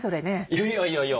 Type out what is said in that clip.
いやいやいやいや。